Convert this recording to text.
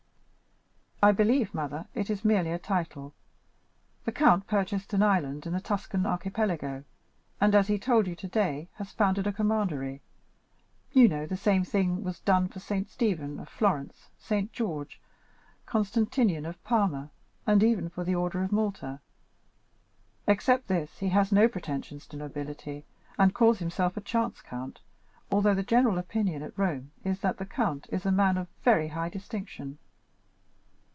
"I believe, mother, it is merely a title. The count purchased an island in the Tuscan archipelago, and, as he told you today, has founded a commandery. You know the same thing was done for Saint Stephen of Florence, Saint George Constantinian of Parma, and even for the Order of Malta. Except this, he has no pretension to nobility, and calls himself a chance count, although the general opinion at Rome is that the count is a man of very high distinction."